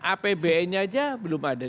apbn nya aja belum ada